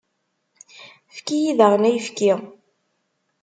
Efk-iyi daɣen ayefki.